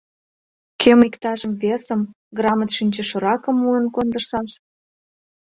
— Кӧм иктажым весым, грамот шинчышыракым муын кондышаш...